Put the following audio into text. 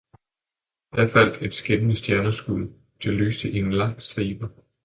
da faldt et skinnende stjerneskud, det lyste i en lang stribe.